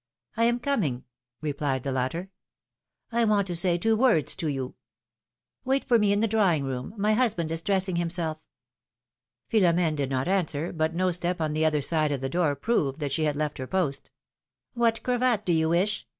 I am coming," replied the latter. I want to say two words to you." Wait for me in the drawing room ; my husband is dressing himself." Philom^ne did not answer, but no step on the other side of the door proved that she had left her post. What cravat do you wish?"